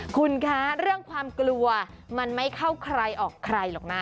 คุณคะเรื่องความกลัวมันไม่เข้าใครออกใครหรอกนะ